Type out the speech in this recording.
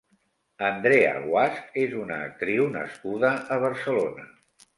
Andrea Guasch és una actriu nascuda a Barcelona.